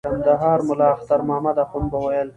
د کندهار ملا اختر محمد اخند به ویل.